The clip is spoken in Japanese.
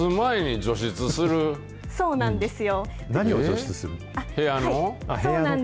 そうなんですよ。